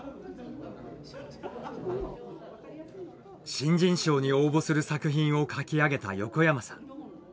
新人賞に応募する作品を描き上げた横山さん。